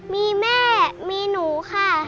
มีแม่มีหนูค่ะ